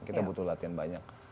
kita butuh latihan banyak